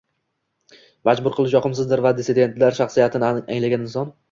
majbur qilish yoqimsizdir va dissidentlar shaxsiyatini anglagan inson